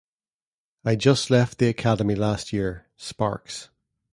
I just left the Academy last year, Sparks.